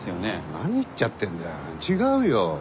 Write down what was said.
何言っちゃってんだよ違うよ。